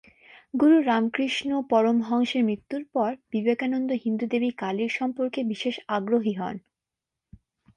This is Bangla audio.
গুরু রামকৃষ্ণ পরমহংসের মৃত্যুর পর বিবেকানন্দ হিন্দু দেবী কালীর সম্পর্কে বিশেষ আগ্রহী হন।